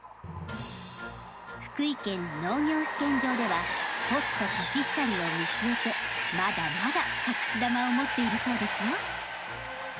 福井県農業試験場ではポストコシヒカリを見据えてまだまだ隠し玉を持っているそうですよ。